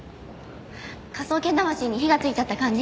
科捜研魂に火がついちゃった感じ？